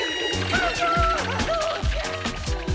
父ちゃん！